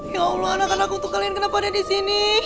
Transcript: ya allah anak anakku untuk kalian kenapa ada di sini